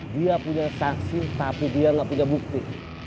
dia punya saksi tapi dia tidak punya bukti